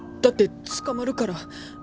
だって捕まるから。